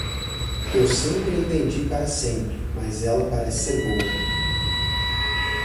Eu sempre a entendi para sempre, mas ela parece ser boa.